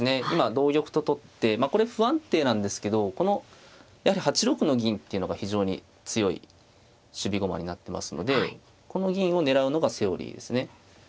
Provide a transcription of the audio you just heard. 今同玉と取ってまあこれ不安定なんですけどこのやはり８六の銀っていうのが非常に強い守備駒になってますのでこの銀を狙うのがセオリーですね。